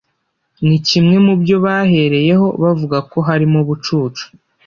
ni kimwe mu byo bahereyeho bavuga ko harimo ubucucu